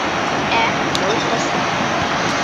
— Ә йылҡысы?